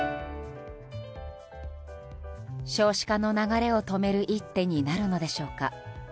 少子化の流れを止める一手になるのでしょうか。